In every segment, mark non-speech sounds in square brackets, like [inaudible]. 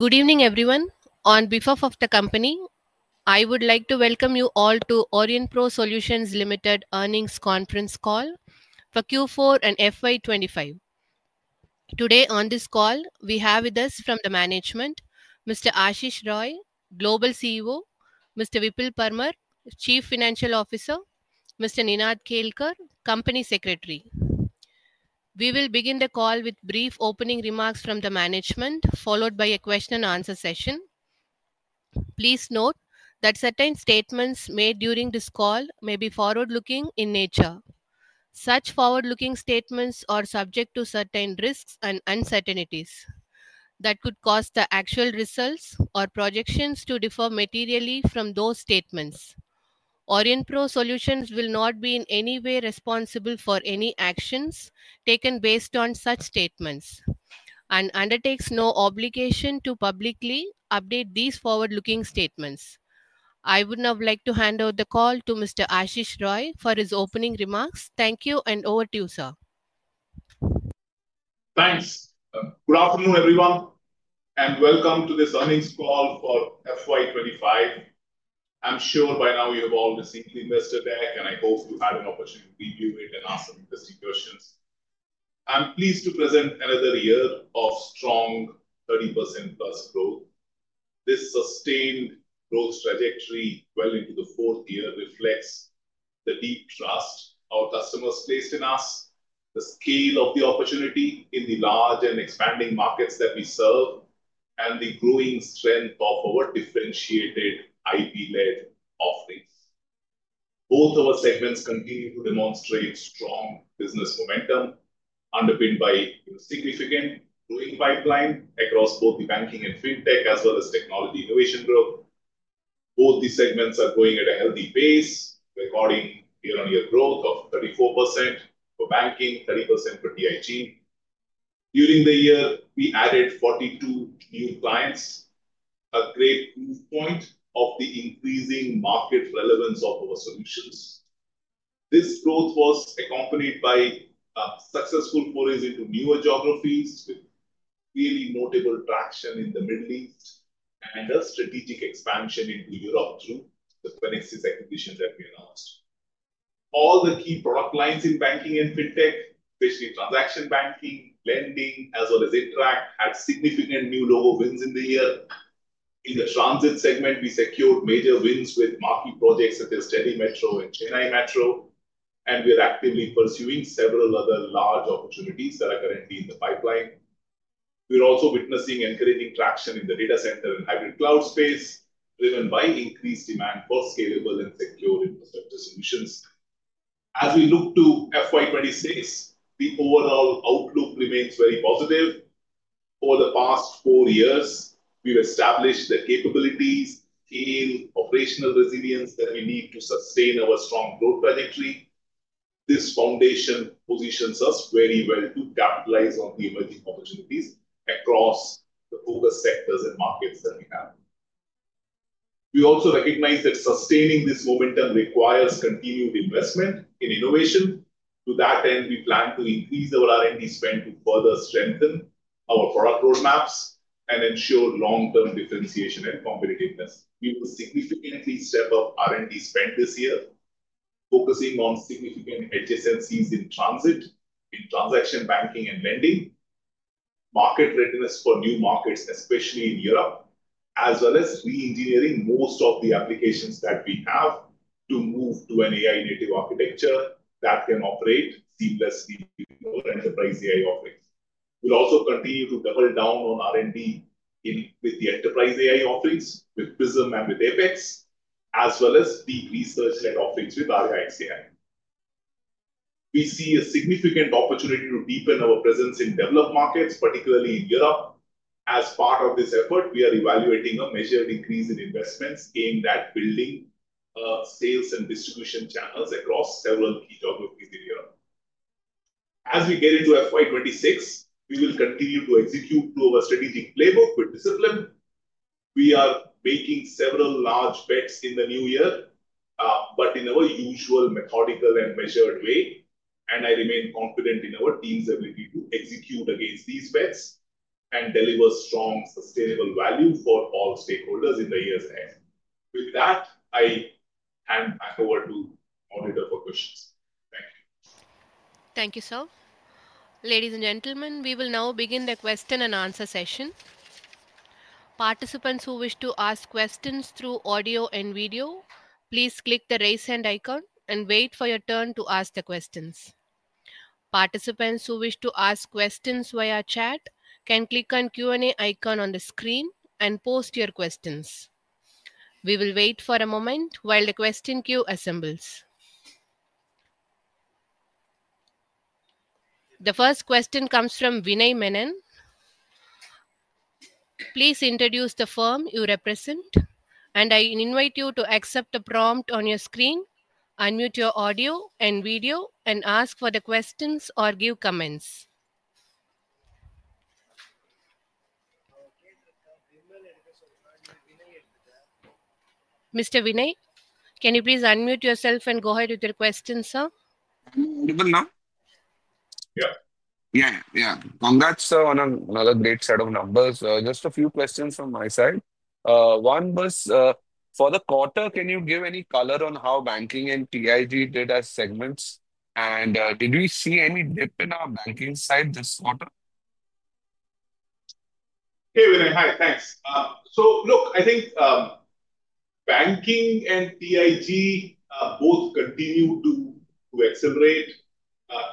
Good evening, everyone. On behalf of the company, I would like to welcome you all to Aurionpro Solutions Limited earnings conference call for Q4 and FY2025. Today, on this call, we have with us from the management, Mr. Ashish Rai, Global CEO; Mr. Vipul Parmar, Chief Financial Officer; Mr. Ninad Kelkar, Company Secretary. We will begin the call with brief opening remarks from the management, followed by a question-and-answer session. Please note that certain statements made during this call may be forward-looking in nature. Such forward-looking statements are subject to certain risks and uncertainties that could cause the actual results or projections to differ materially from those statements. Aurionpro Solutions will not be in any way responsible for any actions taken based on such statements and undertakes no obligation to publicly update these forward-looking statements. I would now like to hand over the call to Mr. Ashish Rai for his opening remarks. Thank you, and over to you, sir. Thanks. Good afternoon, everyone, and welcome to this earnings call for FY2025. I'm sure by now you have all listened to, [audio distortion] and I hope you had an opportunity to review it and ask some interesting questions. I'm pleased to present another year of strong 30%+ growth. This sustained growth trajectory well into the fourth year reflects the deep trust our customers placed in us, the scale of the opportunity in the large and expanding markets that we serve, and the growing strength of our differentiated IP-led offerings. Both of our segments continue to demonstrate strong business momentum underpinned by a significant growing pipeline across both the banking and Fintech, as well as technology innovation growth. Both these segments are growing at a healthy pace, recording year-on-year growth of 34% for banking, 30% for TIG. During the year, we added 42 new clients, a great proof point of the increasing market relevance of our solutions. This growth was accompanied by successful forays into newer geographies with clearly notable traction in the Middle East and a strategic expansion into Europe through the Fenixys acquisition that we announced. All the key product lines in banking and Fintech, especially transaction banking, lending, as well as Interact, had significant new logo wins in the year. In the transit segment, we secured major wins with marquee projects such as Delhi Metro and Chennai Metro, and we are actively pursuing several other large opportunities that are currently in the pipeline. We're also witnessing encouraging traction in the data center and hybrid cloud space, driven by increased demand for scalable and secure infrastructure solutions. As we look to FY 2026, the overall outlook remains very positive. Over the past four years, we've established the capabilities, scale, and operational resilience that we need to sustain our strong growth trajectory. This foundation positions us very well to capitalize on the emerging opportunities across the focus sectors and markets that we have. We also recognize that sustaining this momentum requires continued investment in innovation. To that end, we plan to increase our R&D spend to further strengthen our product roadmaps and ensure long-term differentiation and competitiveness. We will significantly step up R&D spend this year, focusing on significant adjacencies in transit, in transaction banking and lending, market readiness for new markets, especially in Europe, as well as re-engineering most of the applications that we have to move to an AI-native architecture that can operate seamlessly with our enterprise AI offerings. We'll also continue to double down on R&D with the enterprise AI offerings with Prism and with Apex, as well as deep research-led offerings with [Arya.ai]. We see a significant opportunity to deepen our presence in developed markets, particularly in Europe. As part of this effort, we are evaluating a measured increase in investments aimed at building sales and distribution channels across several key geographies in Europe. As we get into FY 2026, we will continue to execute our strategic playbook with discipline. We are making several large bets in the new year, but in our usual methodical and measured way, and I remain confident in our team's ability to execute against these bets and deliver strong, sustainable value for all stakeholders in the years ahead. With that, I hand back over to the operator for questions. Thank you. Thank you, sir. Ladies and gentlemen, we will now begin the question-and-answer session. Participants who wish to ask questions through audio and video, please click the raise hand icon and wait for your turn to ask the questions. Participants who wish to ask questions via chat can click on the Q&A icon on the screen and post your questions. We will wait for a moment while the question queue assembles. The first question comes from Vinay Menon. Please introduce the firm you represent, and I invite you to accept the prompt on your screen, unmute your audio and video, and ask for the questions or give comments. Mr. Vinay, can you please unmute yourself and go ahead with your question, sir? Yeah, yeah, yeah. Congrats, sir. Another great set of numbers. Just a few questions from my side. One was for the quarter, can you give any color on how banking and TIG did as segments, and did we see any dip in our banking side this quarter? Hey, Vinay. Hi, thanks. Look, I think banking and TIG both continue to accelerate.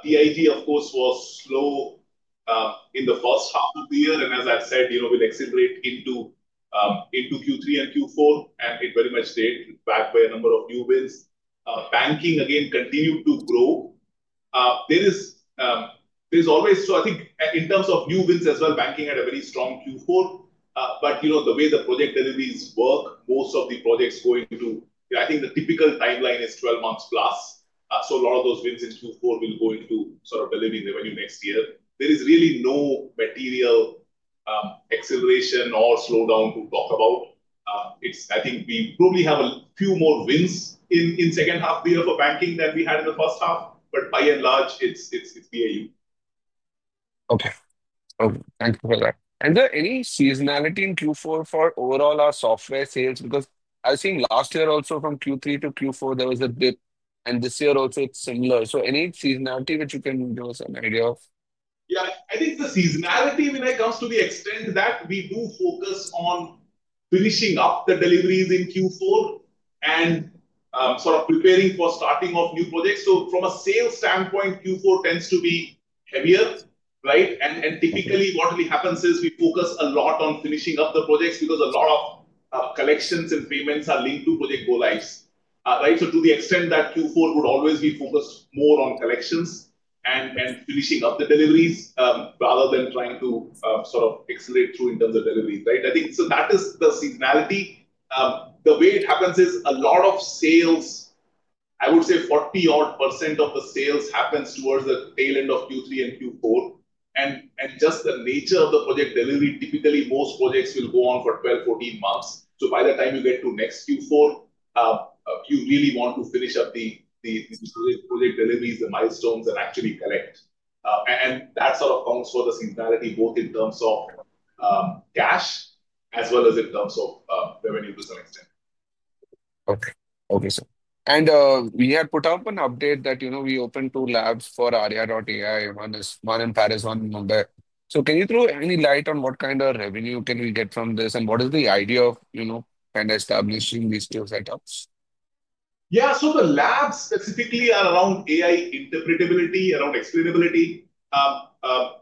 TIG, of course, was slow in the first half of the year, and as I've said, will accelerate into Q3 and Q4, and it very much stayed back by a number of new wins. Banking, again, continued to grow. There is always, I think in terms of new wins as well, banking had a very strong Q4, but the way the project deliveries work, most of the projects go into, I think the typical timeline is 12 months plus. A lot of those wins in Q4 will go into sort of delivering revenue next year. There is really no material acceleration or slowdown to talk about. I think we probably have a few more wins in the second half of the year for banking than we had in the first half, but by and large, it's BAU. Okay. Thank you for that. Is there any seasonality in Q4 for overall our software sales? Because I've seen last year also from Q3 to Q4, there was a dip, and this year also it's similar. Any seasonality which you can give us an idea of? Yeah, I think the seasonality, Vinay, comes to the extent that we do focus on finishing up the deliveries in Q4 and sort of preparing for starting off new projects. From a sales standpoint, Q4 tends to be heavier, right? Typically what really happens is we focus a lot on finishing up the projects because a lot of collections and payments are linked to project go-lives. To the extent that Q4 would always be focused more on collections and finishing up the deliveries rather than trying to sort of accelerate through in terms of deliveries, right? That is the seasonality. The way it happens is a lot of sales, I would say 40%-odd of the sales happens towards the tail end of Q3 and Q4. Just the nature of the project delivery, typically most projects will go on for 12, 14 months. By the time you get to next Q4, you really want to finish up the project deliveries, the milestones, and actually collect. That sort of counts for the seasonality, both in terms of cash as well as in terms of revenue to some extent. Okay. Okay, sir. We had put out an update that we opened two labs for Arya.ai, one in Paris and one in Mumbai. Can you throw any light on what kind of revenue can we get from this, and what is the idea of establishing these two setups? Yeah, so the labs specifically are around AI interpretability, around explainability.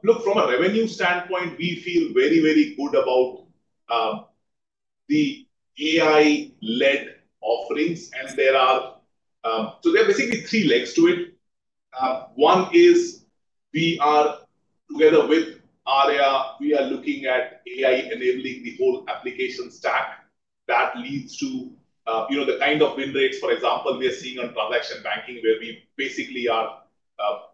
Look, from a revenue standpoint, we feel very, very good about the AI-led offerings, and there are basically three legs to it. One is we are together with Arya, we are looking at AI enabling the whole application stack that leads to the kind of win rates, for example, we are seeing on transaction banking, where we basically are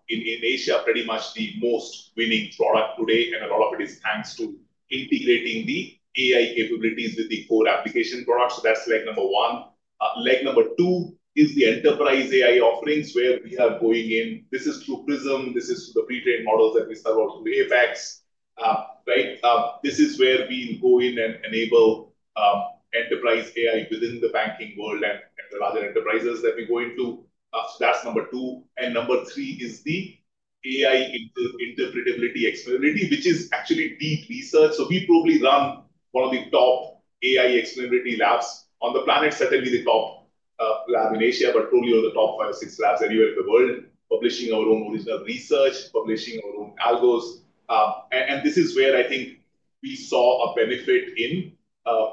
in Asia pretty much the most winning product today, and a lot of it is thanks to integrating the AI capabilities with the core application products. That's leg number one. Leg number two is the enterprise AI offerings where we are going in. This is through Prism. This is through the pre-trained models that we sell out through Apex. This is where we go in and enable enterprise AI within the banking world and the larger enterprises that we go into. That's number two. Number three is the AI interpretability explainability, which is actually deep research. We probably run one of the top AI explainability labs on the planet, certainly the top lab in Asia, but probably one of the top five or six labs anywhere in the world, publishing our own original research, publishing our own algos. This is where I think we saw a benefit in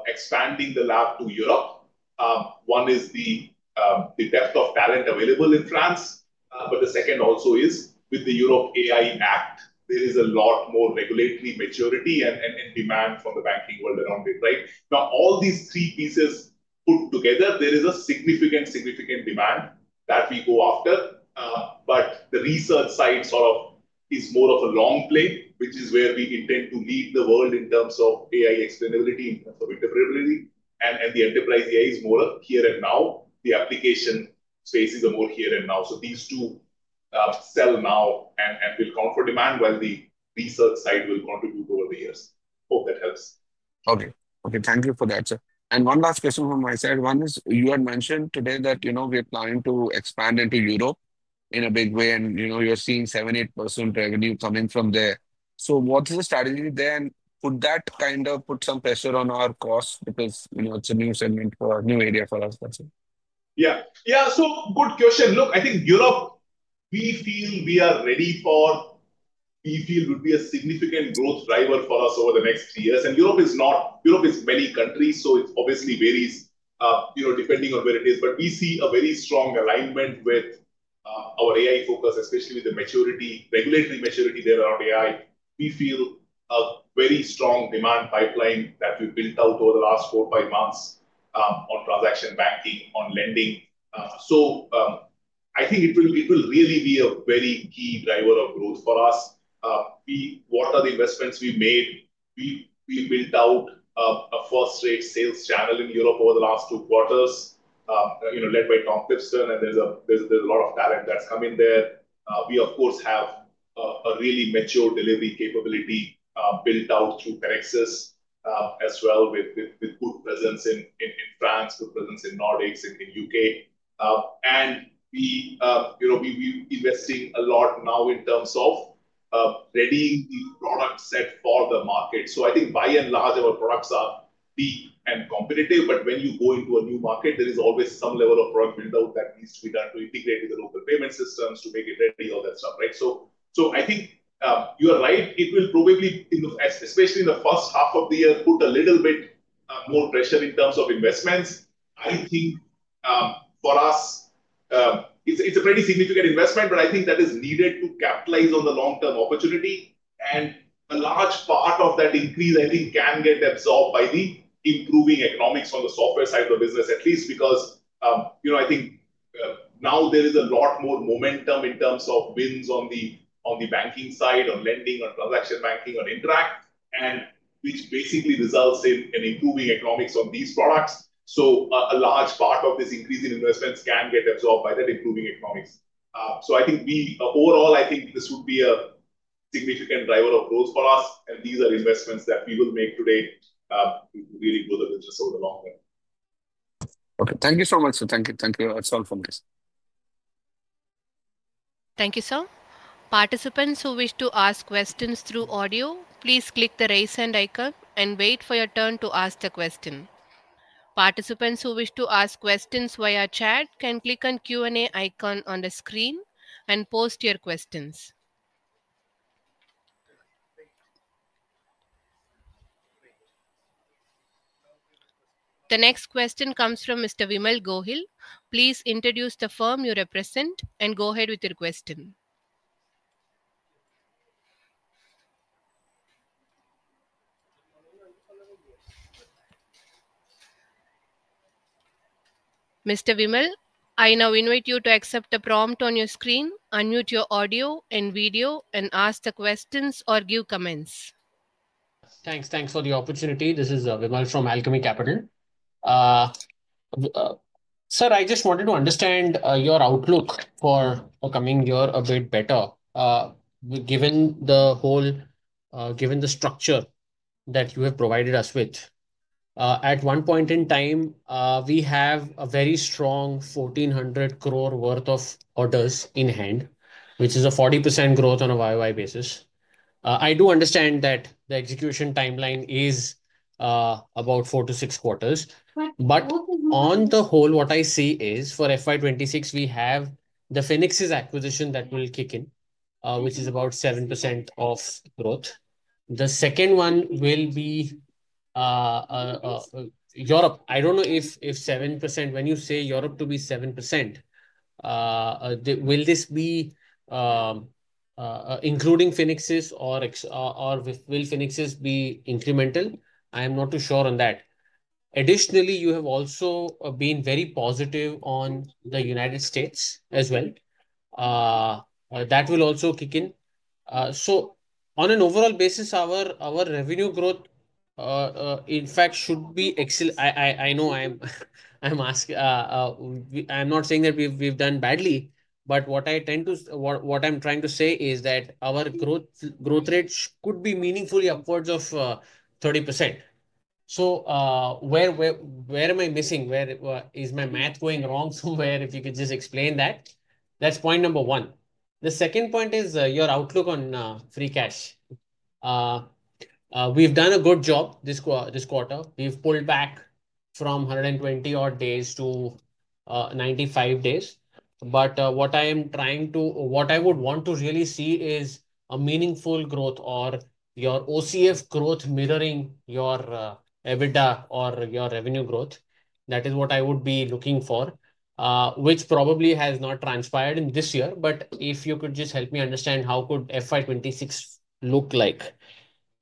expanding the lab to Europe. One is the depth of talent available in France, but the second also is with the Europe AI Act, there is a lot more regulatory maturity and demand from the banking world around it, right? Now, all these three pieces put together, there is a significant, significant demand that we go after, but the research side sort of is more of a long play, which is where we intend to lead the world in terms of AI explainability, in terms of interpretability, and the enterprise AI is more here and now. The application space is more here and now. These two sell now and will come for demand, while the research side will contribute over the years. Hope that helps. Okay. Okay, thank you for that, sir. One last question from my side. One is you had mentioned today that we're planning to expand into Europe in a big way, and you're seeing 7%-8% revenue coming from there. What is the strategy there? Could that kind of put some pressure on our costs because it is a new segment for a new area for us? Yeah. Yeah, so good question. Look, I think Europe, we feel we are ready for, we feel would be a significant growth driver for us over the next three years. Europe is many countries, so it obviously varies depending on where it is. We see a very strong alignment with our AI focus, especially with the regulatory maturity there around AI. We feel a very strong demand pipeline that we built out over the last four-five months on transaction banking, on lending. I think it will really be a very key driver of growth for us. What are the investments we made? We built out a first-rate sales channel in Europe over the last two quarters, led by Tom Clifton, and there is a lot of talent that has come in there. We, of course, have a really mature delivery capability built out through Fenixys as well, with good presence in France, good presence in the Nordics, in the U.K. We are investing a lot now in terms of readying the product set for the market. I think by and large, our products are deep and competitive, but when you go into a new market, there is always some level of product build-out that needs to be done to integrate with the local payment systems to make it ready, all that stuff, right? I think you are right. It will probably, especially in the first half of the year, put a little bit more pressure in terms of investments. I think for us, it is a pretty significant investment, but I think that is needed to capitalize on the long-term opportunity. A large part of that increase, I think, can get absorbed by the improving economics on the software side of the business, at least because I think now there is a lot more momentum in terms of wins on the banking side, on lending, on transaction banking, on Interact, which basically results in an improving economics on these products. A large part of this increase in investments can get absorbed by that improving economics. I think overall, I think this would be a significant driver of growth for us, and these are investments that we will make today really for the business over the long term. Okay. Thank you so much, sir. Thank you. Thank you. That's all from me. Thank you, sir. Participants who wish to ask questions through audio, please click the raise hand icon and wait for your turn to ask the question. Participants who wish to ask questions via chat can click on the Q&A icon on the screen and post your questions. The next question comes from Mr. Vimal Gohil. Please introduce the firm you represent and go ahead with your question. Mr. Vimal, I now invite you to accept the prompt on your screen, unmute your audio and video, and ask the questions or give comments. Thanks. Thanks for the opportunity. This is Vimal from Alchemy Capital. Sir, I just wanted to understand your outlook for the coming year a bit better, given the structure that you have provided us with. At one point in time, we have a very strong 1,400 crore worth of orders in hand, which is a 40% growth on a YoY basis. I do understand that the execution timeline is about four to six quarters, but on the whole, what I see is for FY2026, we have the Fenixys acquisition that will kick in, which is about 7% of growth. The second one will be Europe. I do not know if 7%, when you say Europe to be 7%, will this be including Fenixys or will Fenixys be incremental? I am not too sure on that. Additionally, you have also been very positive on the United States as well. That will also kick in. On an overall basis, our revenue growth, in fact, should be excellent. I know I'm asking, I'm not saying that we've done badly, but what I tend to, what I'm trying to say is that our growth rate could be meaningfully upwards of 30%. Where am I missing? Where is my math going wrong somewhere if you could just explain that? That's point number one. The second point is your outlook on free cash. We've done a good job this quarter. We've pulled back from 120-odd days to 95 days. What I am trying to, what I would want to really see is a meaningful growth or your OCF growth mirroring your EBITDA or your revenue growth. That is what I would be looking for, which probably has not transpired in this year, but if you could just help me understand how could FY 2026 look like,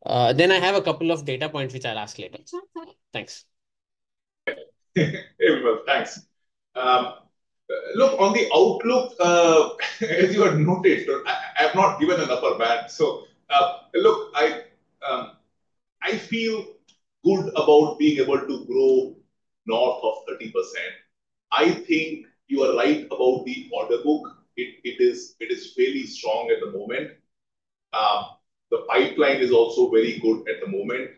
then I have a couple of data points, which I'll ask later. Thanks. Thanks. Look, on the outlook, as you have noted, I have not given an upper band. Look, I feel good about being able to grow north of 30%. I think you are right about the order book. It is fairly strong at the moment. The pipeline is also very good at the moment.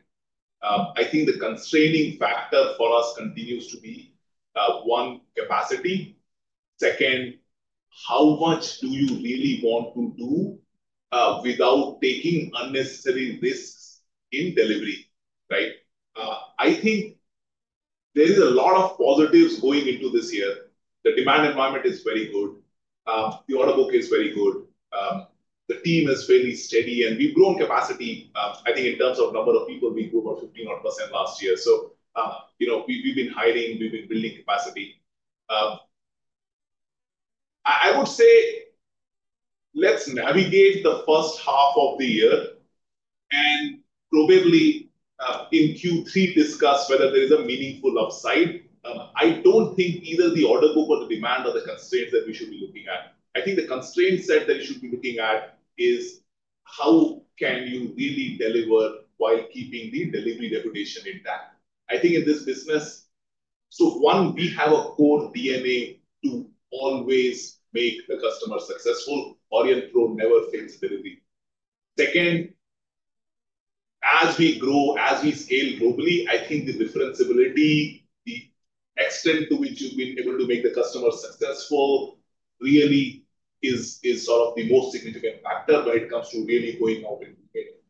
I think the constraining factor for us continues to be one, capacity. Second, how much do you really want to do without taking unnecessary risks in delivery, right? I think there is a lot of positives going into this year. The demand environment is very good. The order book is very good. The team is fairly steady, and we've grown capacity, I think, in terms of number of people, we grew about 15%-odd last year. We have been hiring, we have been building capacity. I would say let's navigate the first half of the year and probably in Q3 discuss whether there is a meaningful upside. I don't think either the order book or the demand are the constraints that we should be looking at. I think the constraint set that you should be looking at is how can you really deliver while keeping the delivery reputation intact. I think in this business, so one, we have a core DNA to always make the customer successful. Aurionpro never fails delivery. Second, as we grow, as we scale globally, I think the differentiability, the extent to which you've been able to make the customer successful really is sort of the most significant factor when it comes to really going out and doing it.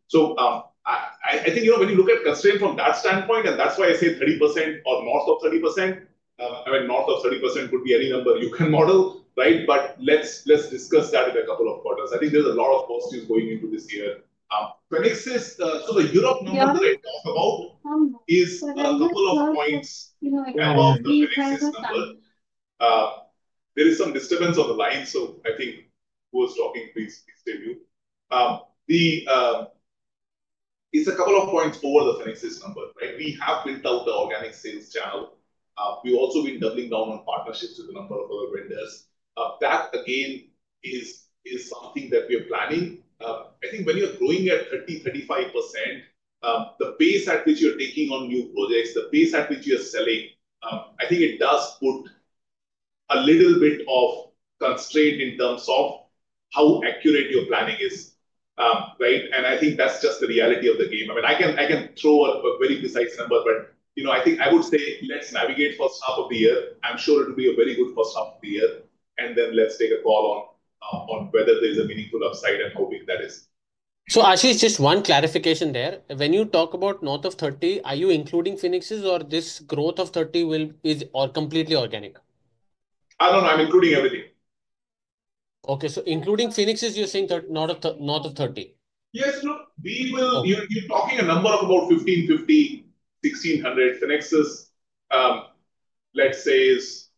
I think when you look at constraint from that standpoint, and that's why I say 30% or north of 30%, I mean, north of 30% could be any number you can model, right? Let's discuss that in a couple of quarters. I think there's a lot of positives going into this year. The Europe number that I talked about is a couple of points above the Fenixys number. There is some disturbance on the line, so I think who was talking, please stay with you. It's a couple of points over the Fenixys number, right? We have built out the organic sales channel. We've also been doubling down on partnerships with a number of other vendors. That, again, is something that we are planning. I think when you're growing at 30%-35%, the pace at which you're taking on new projects, the pace at which you're selling, I think it does put a little bit of constraint in terms of how accurate your planning is, right? I think that's just the reality of the game. I mean, I can throw a very precise number, but I think I would say let's navigate first half of the year. I'm sure it will be a very good first half of the year, and then let's take a call on whether there is a meaningful upside and how big that is. Ashish, just one clarification there. When you talk about north of 30, are you including Fenixys or this growth of 30 is completely organic? I don't know. I'm including everything. Okay. So including Fenixys, you're saying north of 30? Yes. Look, you're talking a number of about 1,550-1,600. Fenixys, let's say, is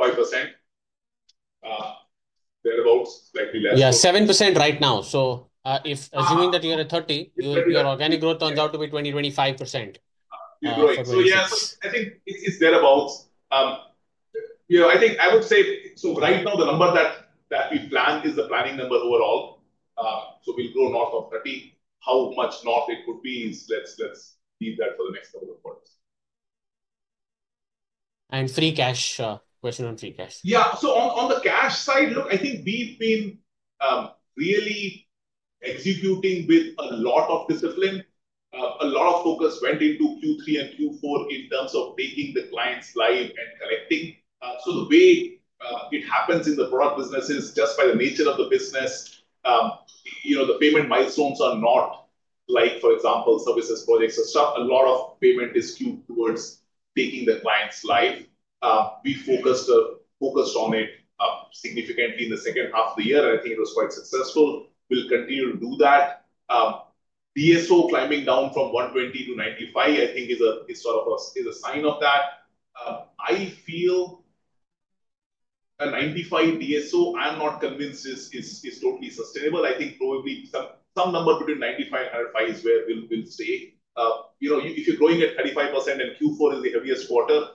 5%. Thereabouts, slightly less. Yeah, 7% right now. Assuming that you're at 30, your organic growth turns out to be 20%-25%. Yes, I think it's thereabouts. I think I would say, right now, the number that we plan is the planning number overall. We'll grow north of 30. How much north it could be, let's leave that for the next couple of quarters. Free cash, question on free cash. Yeah. On the cash side, look, I think we've been really executing with a lot of discipline. A lot of focus went into Q3 and Q4 in terms of taking the clients live and collecting. The way it happens in the product business is just by the nature of the business. The payment milestones are not like, for example, services, projects, and stuff. A lot of payment is skewed towards taking the clients live. We focused on it significantly in the second half of the year, and I think it was quite successful. We'll continue to do that. DSO climbing down from 120 to 95, I think, is sort of a sign of that. I feel a 95 DSO, I'm not convinced, is totally sustainable. I think probably some number between 95 and 105 is where we'll stay. If you're growing at 35% and Q4 is the heaviest quarter,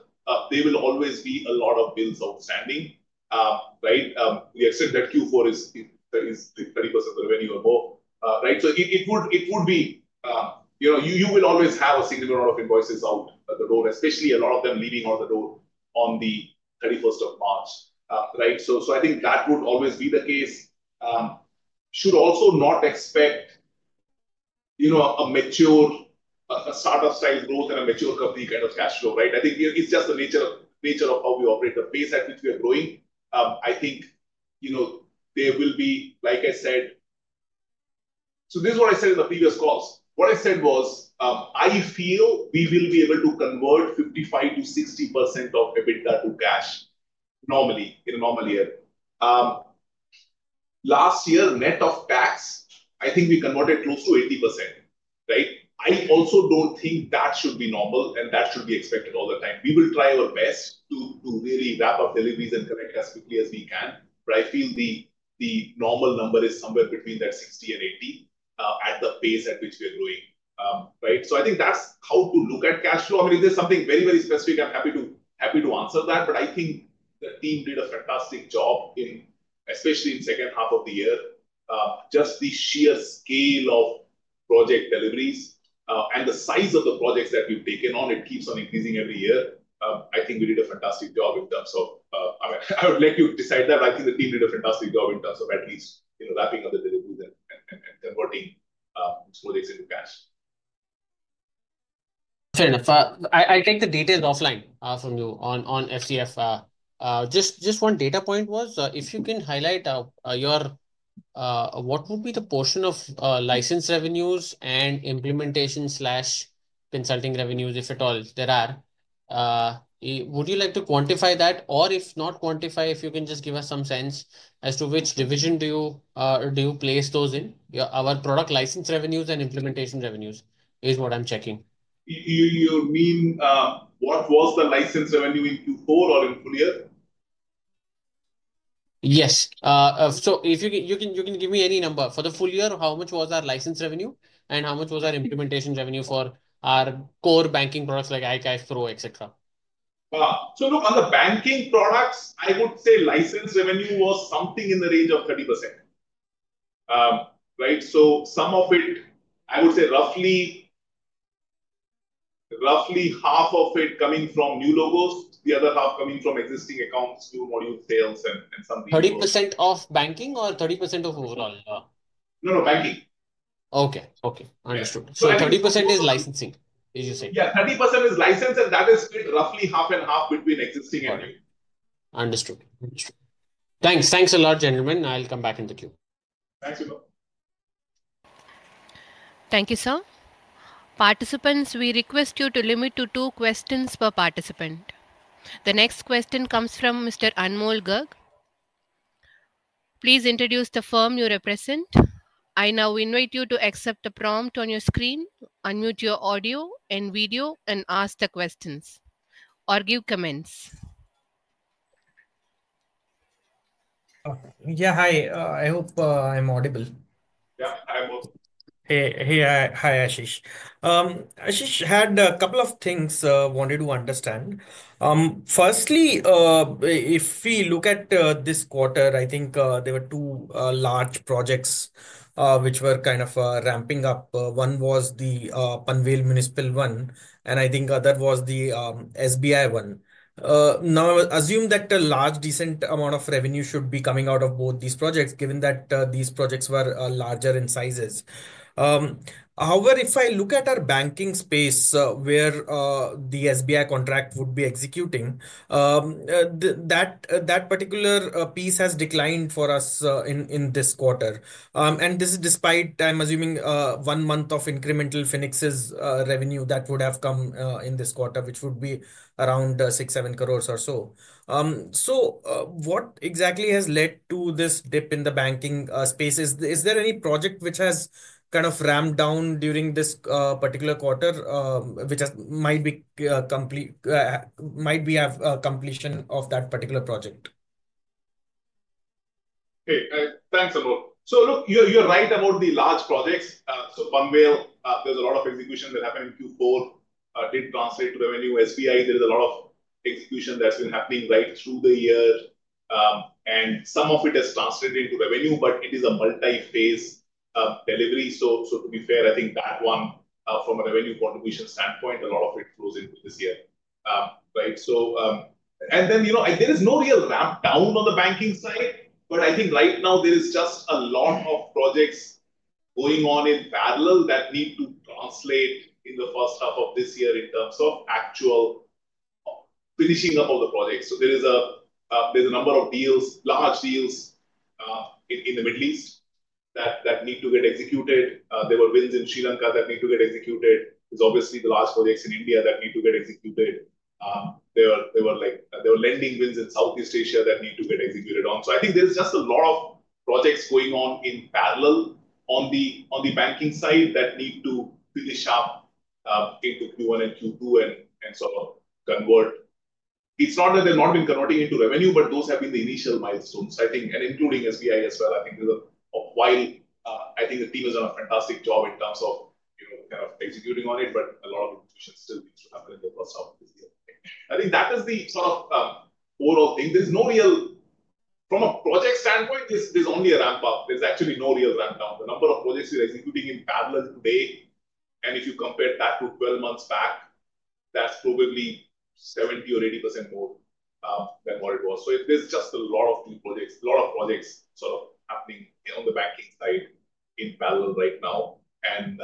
there will always be a lot of bills outstanding, right? We accept that Q4 is 30% of the revenue or more, right? It would be you will always have a significant amount of invoices out the door, especially a lot of them leaving out the door on the 31st of March, right? I think that would always be the case. Should also not expect a mature startup-style growth and a mature company kind of cash flow, right? I think it's just the nature of how we operate, the pace at which we are growing. I think there will be, like I said, this is what I said in the previous calls. What I said was, I feel we will be able to convert 55%-60% of EBITDA to cash normally in a normal year. Last year, net of tax, I think we converted close to 80%, right? I also do not think that should be normal, and that should be expected all the time. We will try our best to really wrap up deliveries and collect as quickly as we can, but I feel the normal number is somewhere between that 60%-80% at the pace at which we are growing, right? I think that is how to look at cash flow. I mean, if there is something very, very specific, I am happy to answer that, but I think the team did a fantastic job, especially in the second half of the year. Just the sheer scale of project deliveries and the size of the projects that we have taken on, it keeps on increasing every year. I think we did a fantastic job in terms of, I mean, I would let you decide that, but I think the team did a fantastic job in terms of at least wrapping up the deliveries and converting projects into cash. Fair enough. I take the details offline from you on FCF. Just one data point was, if you can highlight what would be the portion of license revenues and implementation/consulting revenues, if at all there are, would you like to quantify that? Or if not quantify, if you can just give us some sense as to which division do you place those in? Our product license revenues and implementation revenues is what I'm checking. You mean what was the license revenue in Q4 or in full year? Yes. So you can give me any number. For the full year, how much was our license revenue, and how much was our implementation revenue for our core banking products like iCashPro, etc.? Look, on the banking products, I would say license revenue was something in the range of 30%. Some of it, I would say roughly half of it coming from new logos, the other half coming from existing accounts, new module sales, and something. 30% of banking or 30% of overall? No, no, banking. Okay. Okay. Understood. So 30% is licensing, as you said. Yeah, 30% is license, and that is split roughly half and half between existing and new. Understood. Thanks a lot, gentlemen. I'll come back in the queue. Thanks, Vimal. Thank you, sir. Participants, we request you to limit to two questions per participant. The next question comes from Mr. Anmol Garg. Please introduce the firm you represent. I now invite you to accept the prompt on your screen, unmute your audio and video, and ask the questions or give comments. Yeah, hi. I hope I'm audible. Yeah, I'm audible. Hey, hi, Ashish. Ashish, I had a couple of things I wanted to understand. Firstly, if we look at this quarter, I think there were two large projects which were kind of ramping up. One was the Panvel Municipal one, and I think the other was the SBI one. Now, I would assume that a large, decent amount of revenue should be coming out of both these projects, given that these projects were larger in sizes. However, if I look at our banking space where the SBI contract would be executing, that particular piece has declined for us in this quarter. This is despite, I'm assuming, one month of incremental Fenixys revenue that would have come in this quarter, which would be around 6-7 crore or so. What exactly has led to this dip in the banking space? Is there any project which has kind of ramped down during this particular quarter which might have completion of that particular project? Okay. Thanks, Anmol. Look, you're right about the large projects. So Panvel, there's a lot of execution that happened in Q4, did translate to revenue. SBI, there is a lot of execution that's been happening right through the year, and some of it has translated into revenue, but it is a multi-phase delivery. To be fair, I think that one from a revenue contribution standpoint, a lot of it flows into this year, right? There is no real ramp down on the banking side, but I think right now there is just a lot of projects going on in [Panvel] that need to translate in the first half of this year in terms of actual finishing up of the projects. There is a number of deals, large deals in the Middle East that need to get executed. There were wins in Sri Lanka that need to get executed. There's obviously the large projects in India that need to get executed. There were lending wins in Southeast Asia that need to get executed on. I think there's just a lot of projects going on in Panvel on the banking side that need to finish up into Q1 and Q2 and sort of convert. It's not that they've not been converting into revenue, but those have been the initial milestones, I think, and including SBI as well. I think there's a while, I think the team has done a fantastic job in terms of kind of executing on it, but a lot of execution still needs to happen in the first half of this year. I think that is the sort of overall thing. There's no real, from a project standpoint, there's only a ramp up. There's actually no real ramp down. The number of projects we're executing in Panvel today, and if you compare that to 12 months back, that's probably 70% or 80% more than what it was. There's just a lot of new projects, a lot of projects sort of happening on the banking side in Panvel right now, and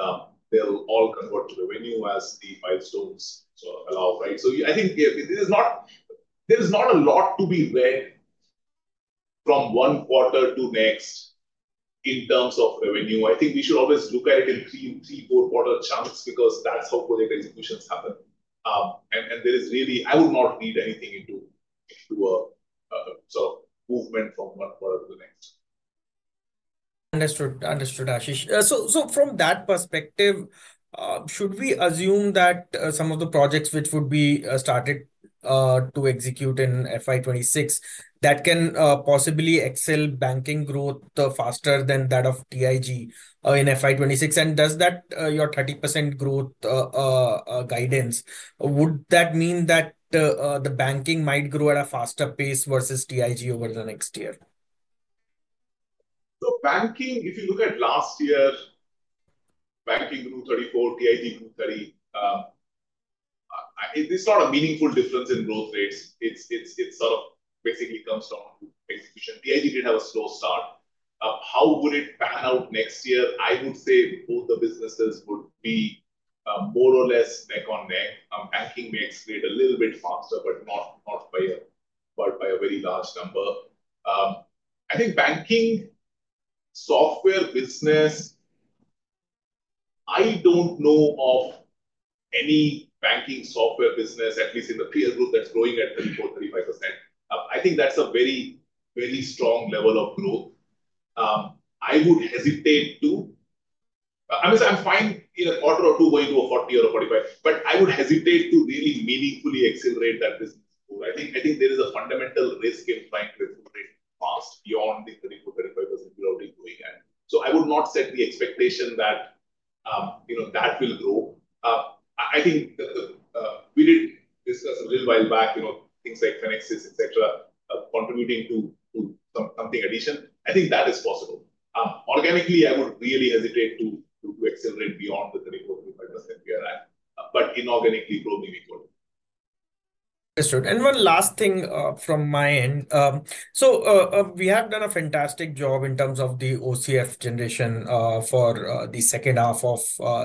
they'll all convert to revenue as the milestones allow, right? I think there is not a lot to be read from one quarter to next in terms of revenue. I think we should always look at it in three, four-quarter chunks because that's how project executions happen. There is really, I would not read anything into a sort of movement from one quarter to the next. Understood. Understood, Ashish. From that perspective, should we assume that some of the projects which would be started to execute in FY 2026, that can possibly excel banking growth faster than that of TIG in FY 2026? Does your 30% growth guidance mean that the banking might grow at a faster pace versus TIG over the next year? If you look at last year, banking grew 34%, TIG grew 30%. It is not a meaningful difference in growth rates. It sort of basically comes down to execution. TIG did have a slow start. How would it pan out next year? I would say both the businesses would be more or less neck on neck. Banking may excel a little bit faster, but not by a very large number. I think banking software business, I do not know of any banking software business, at least in the peer group that is growing at 34%-35%. I think that is a very, very strong level of growth. I would hesitate to, I mean, I am fine in a quarter or two going to a 40% or a 45%, but I would hesitate to really meaningfully accelerate that business growth. I think there is a fundamental risk in trying to accelerate fast beyond the 34%-35% growth we are already doing. I would not set the expectation that that will grow. I think we did discuss a little while back, things like Fenixys, etc., contributing to something addition. I think that is possible. Organically, I would really hesitate to accelerate beyond the 34%-35% we are at, but inorganically, probably we could. Understood. One last thing from my end. We have done a fantastic job in terms of the OCF generation for the second half of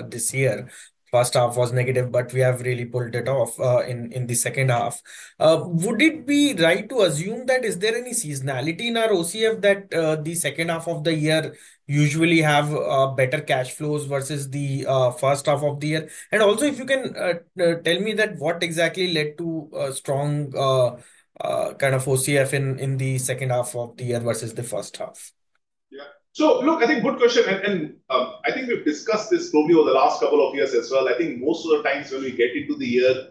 this year. First half was negative, but we have really pulled it off in the second half. Would it be right to assume that is there any seasonality in our OCF, that the second half of the year usually has better cash flows versus the first half of the year? Also, if you can tell me what exactly led to strong kind of OCF in the second half of the year versus the first half? Yeah. Look, I think good question. I think we've discussed this probably over the last couple of years as well. I think most of the times when we get into the year,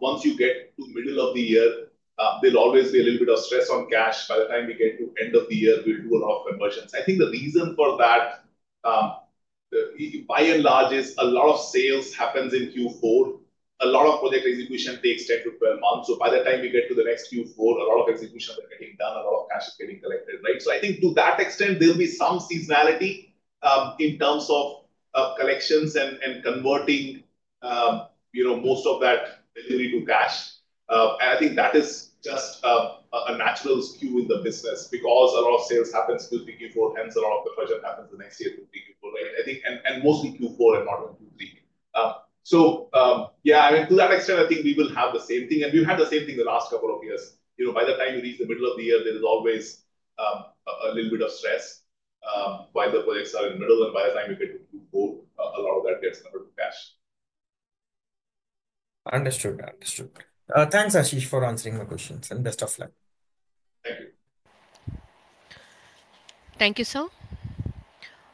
once you get to the middle of the year, there'll always be a little bit of stress on cash. By the time we get to the end of the year, we'll do a lot of conversions. I think the reason for that, by and large, is a lot of sales happens in Q4. A lot of project execution takes 10-12 months. By the time we get to the next Q4, a lot of execution is getting done, a lot of cash is getting collected, right? I think to that extent, there'll be some seasonality in terms of collections and converting most of that delivery to cash. I think that is just a natural skew in the business because a lot of sales happens Q3, Q4, hence a lot of the project happens the next year Q4, right? Mostly Q4 and not Q3. Yeah, I mean, to that extent, I think we will have the same thing. We have had the same thing the last couple of years. By the time you reach the middle of the year, there is always a little bit of stress while the projects are in the middle. By the time we get to Q4, a lot of that gets converted to cash. Understood. Understood. Thanks, Ashish, for answering my questions. Best of luck. Thank you. Thank you, sir.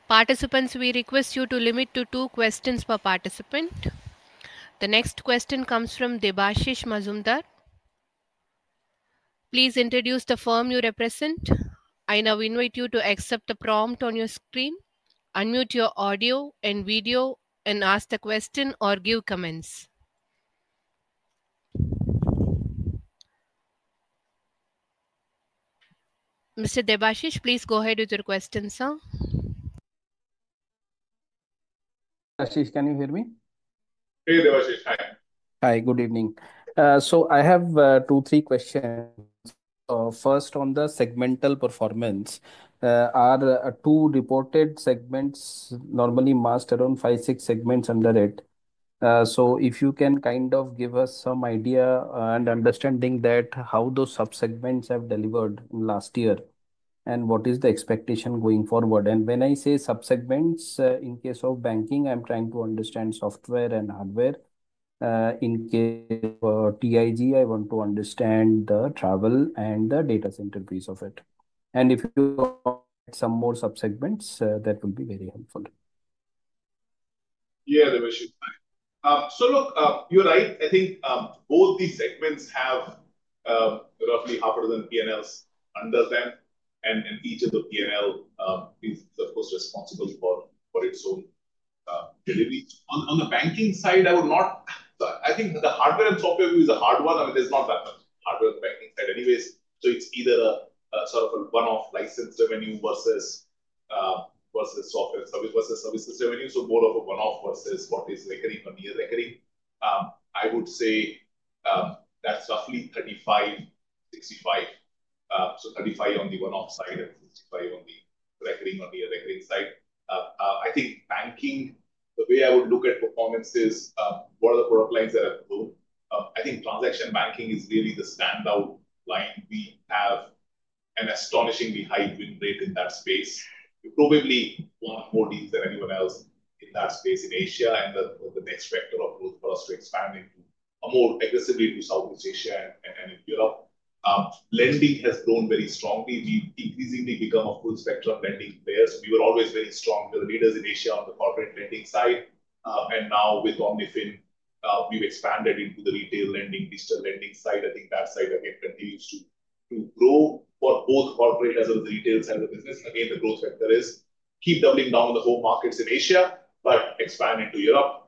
Participants, we request you to limit to two questions per participant. The next question comes from Debashish Mazumdar. Please introduce the firm you represent. I now invite you to accept the prompt on your screen, unmute your audio and video, and ask the question or give comments. Mr. Debashish, please go ahead with your question, sir. Ashish, can you hear me? Hey, Debashish. Hi. Hi. Good evening. I have two, three questions. First, on the segmental performance, are two reported segments normally mastered on five, six segments under it? If you can kind of give us some idea and understanding that how those subsegments have delivered last year and what is the expectation going forward? When I say subsegments, in case of banking, I'm trying to understand software and hardware. In case of TIG, I want to understand the travel and the data center piece of it. If you have some more subsegments, that would be very helpful. Yeah, Debashish. Look, you're right. I think both these segments have roughly half a dozen P&Ls under them. Each of the P&L is, of course, responsible for its own delivery. On the banking side, I would not, I think the hardware and software view is a hard one. I mean, there's not that much hardware on the banking side anyways. It's either a sort of a one-off licensed revenue versus software and service versus services revenue. More of a one-off versus what is recurring or near recurring. I would say that's roughly 35%, 65%. So 35% on the one-off side and 65% on the recurring or near recurring side. I think banking, the way I would look at performance is what are the product lines that are growing? I think transaction banking is really the standout line. We have an astonishingly high win rate in that space. We probably won more deals than anyone else in that space in Asia. The next vector of growth for us is to expand more aggressively to Southeast Asia and in Europe. Lending has grown very strongly. We've increasingly become a full spectrum lending player. We were always very strong, the leaders in Asia on the corporate lending side. Now with Omnifin, we've expanded into the retail lending, digital lending side. I think that side again continues to grow for both corporate as well as the retail side of the business. The growth factor is to keep doubling down on the home markets in Asia, but expand into Europe.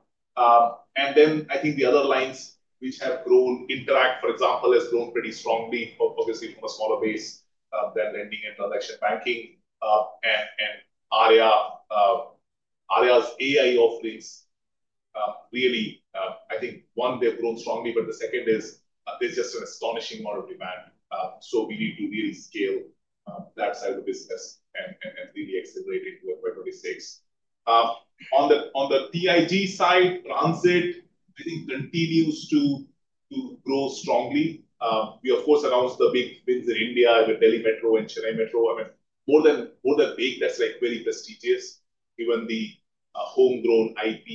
The other lines which have grown, Interact, for example, has grown pretty strongly, obviously from a smaller base than lending and transaction banking. Arya, Arya's AI offerings really, I think one, they've grown strongly, but the second is there's just an astonishing amount of demand. We need to really scale that side of the business and really accelerate into FY 2026. On the TIG side, Transit, I think continues to grow strongly. We, of course, announced the big wins in India with Delhi Metro and Chennai Metro. I mean, more than big, that's very prestigious, even the homegrown IP.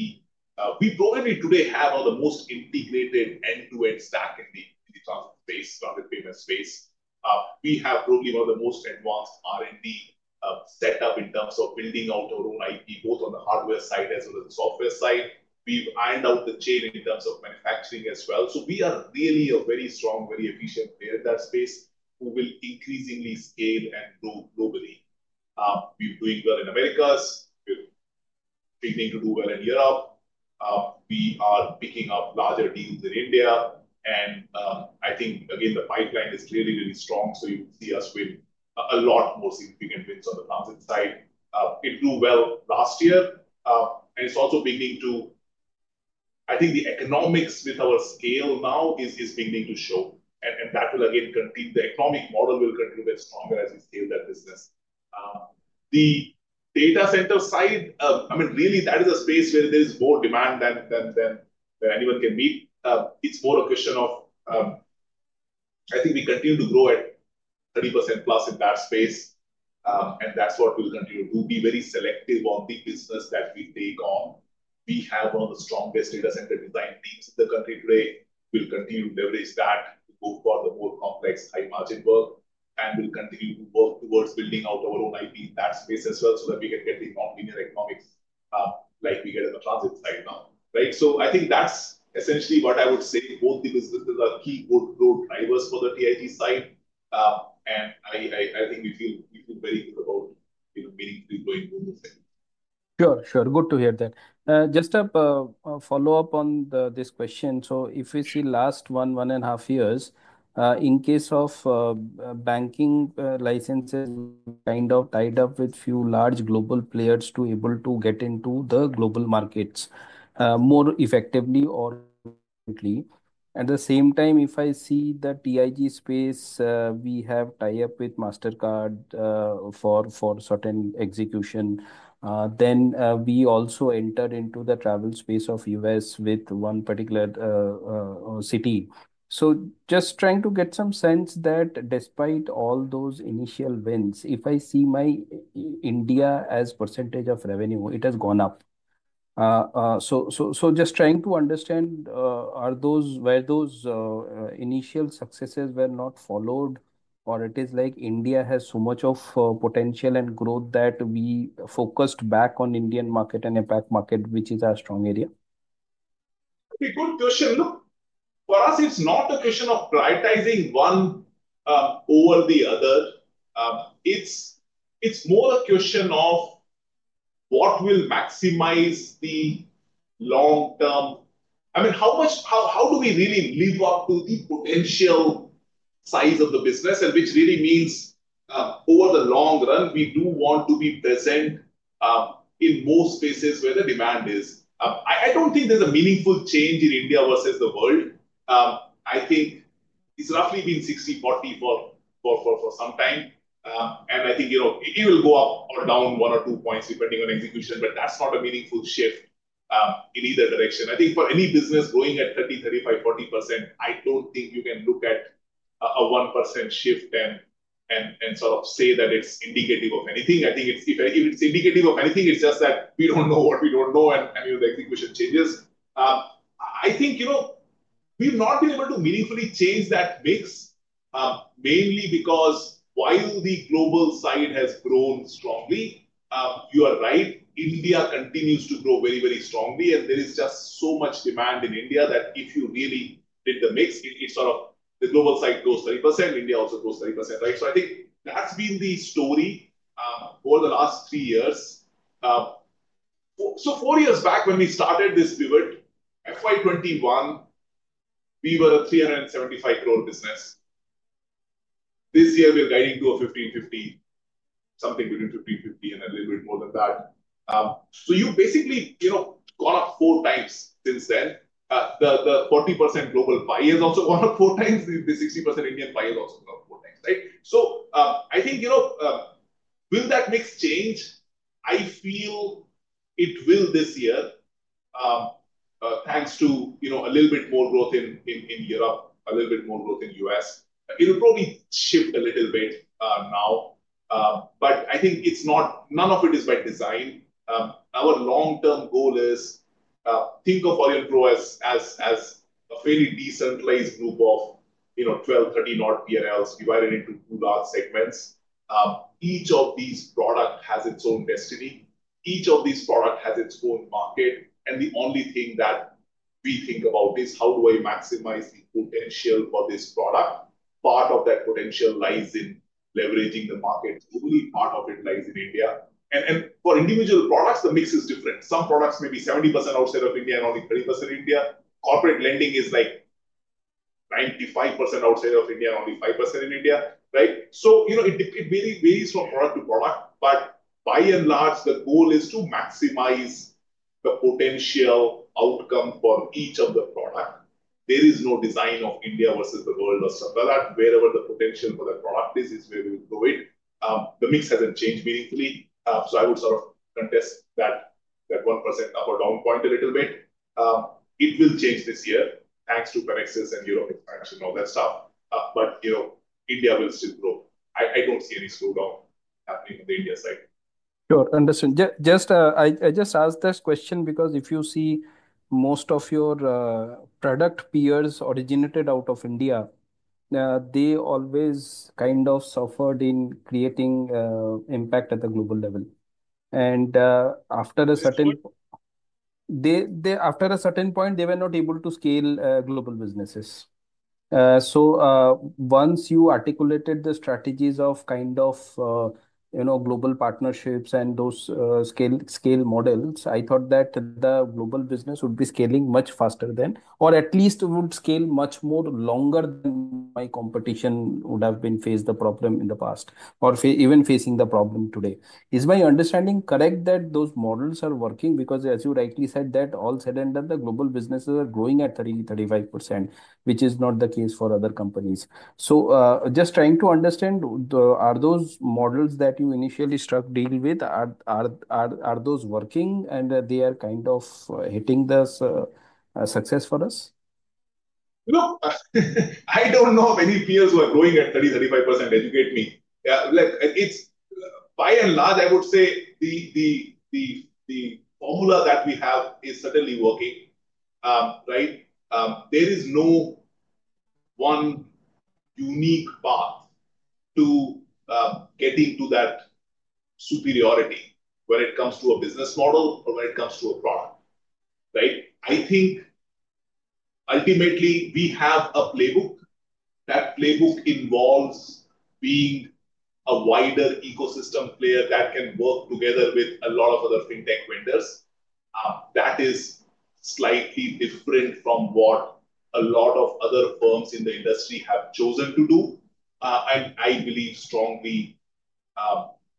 We probably today have one of the most integrated end-to-end stack in the transit space, transit payment space. We have probably one of the most advanced R&D setup in terms of building out our own IP, both on the hardware side as well as the software side. We've ironed out the chain in terms of manufacturing as well. We are really a very strong, very efficient player in that space who will increasingly scale and grow globally. We're doing well in Americas. We're beginning to do well in Europe. We are picking up larger deals in India. I think, again, the pipeline is clearly really strong. You see us with a lot more significant wins on the transit side. It grew well last year. It's also beginning to, I think the economics with our scale now is beginning to show. That will again continue, the economic model will continue to get stronger as we scale that business. The data center side, I mean, really that is a space where there is more demand than anyone can meet. It's more a question of, I think we continue to grow at 30% plus in that space. That is what we will continue to do, be very selective on the business that we take on. We have one of the strongest data center design teams in the country today. We will continue to leverage that to go for the more complex high margin work. We will continue to work towards building out our own IP in that space as well so that we can get the non-linear economics like we get on the transit side now, right? I think that is essentially what I would say. Both the businesses are key growth drivers for the TIG side. I think we feel very good about meaningfully growing both those things. Sure. Sure. Good to hear that. Just a follow-up on this question. If we see the last one, one and a half years, in case of banking licenses, kind of tied up with few large global players to be able to get into the global markets more effectively or efficiently. At the same time, if I see the TIG space, we have tied up with Mastercard for certain execution, then we also enter into the travel space of U.S. with one particular city. Just trying to get some sense that despite all those initial wins, if I see my India as percentage of revenue, it has gone up. Just trying to understand, were those initial successes not followed, or is it like India has so much potential and growth that we focused back on Indian market and impact market, which is our strong area? Okay, good question. Look, for us, it's not a question of prioritizing one over the other. It's more a question of what will maximize the long term. I mean, how do we really live up to the potential size of the business, which really means over the long run, we do want to be present in most spaces where the demand is. I don't think there's a meaningful change in India versus the world. I think it's roughly been 60/40 for some time. And I think it will go up or down one or two points depending on execution, but that's not a meaningful shift in either direction. I think for any business growing at 30%-35%-40%, I don't think you can look at a 1% shift and sort of say that it's indicative of anything. I think if it's indicative of anything, it's just that we don't know what we don't know and the execution changes. I think we've not been able to meaningfully change that mix mainly because while the global side has grown strongly, you are right, India continues to grow very, very strongly. There is just so much demand in India that if you really did the mix, it's sort of the global side grows 30%, India also grows 30%, right? I think that's been the story over the last three years. Four years back when we started this pivot, in 2021, we were a 375 crore business. This year, we're guiding to a 1,550, something between 1,550 and a little bit more than that. You basically got up four times since then. The 40% global buy has also gone up four times. The 60% Indian buy has also gone up four times, right? I think will that mix change? I feel it will this year thanks to a little bit more growth in Europe, a little bit more growth in the U.S.. It will probably shift a little bit now. I think none of it is by design. Our long-term goal is think of Aurionpro as a fairly decentralized group of 12-13 odd P&Ls. We have already been to two large segments. Each of these products has its own destiny. Each of these products has its own market. The only thing that we think about is how do I maximize the potential for this product? Part of that potential lies in leveraging the market. Probably part of it lies in India. For individual products, the mix is different. Some products may be 70% outside of India and only 30% India. Corporate lending is like 95% outside of India and only 5% in India, right? It varies from product to product. By and large, the goal is to maximize the potential outcome for each of the products. There is no design of India versus the world or something like that. Wherever the potential for the product is, is where we will grow it. The mix has not changed meaningfully. I would sort of contest that 1% up or down point a little bit. It will change this year thanks to Fenixys and Europe expansion, all that stuff. India will still grow. I do not see any slowdown happening on the India side. Sure. Understood. I just asked this question because if you see most of your product peers originated out of India, they always kind of suffered in creating impact at the global level. After a certain point, they were not able to scale global businesses. Once you articulated the strategies of kind of global partnerships and those scale models, I thought that the global business would be scaling much faster than, or at least would scale much more longer than my competition would have faced the problem in the past, or even facing the problem today. Is my understanding correct that those models are working? Because as you rightly said, that all said and done, the global businesses are growing at 30%-35%, which is not the case for other companies. Just trying to understand, are those models that you initially struck deal with, are those working? They are kind of hitting the success for us. Look, I do not know of any peers who are growing at 30%-35%. Educate me. By and large, I would say the formula that we have is certainly working, right? There is no one unique path to getting to that superiority when it comes to a business model or when it comes to a product, right? I think ultimately we have a playbook. That playbook involves being a wider ecosystem player that can work together with a lot of other Fintech vendors. That is slightly different from what a lot of other firms in the industry have chosen to do. I believe strongly